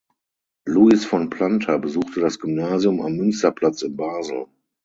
Louis von Planta besuchte das Gymnasium am Münsterplatz in Basel.